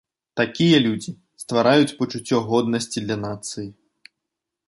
Такія людзі ствараюць пачуццё годнасці для нацыі.